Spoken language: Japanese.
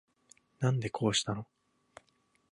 なんでこうしたの